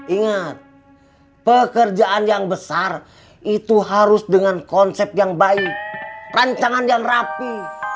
ingat pekerjaan yang besar itu harus dengan konsep yang baik rancangan yang rapi